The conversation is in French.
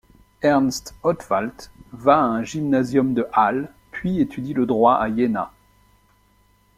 Ernst Ottwalt va à un gymnasium de Halle puis étudie le droit à Iéna.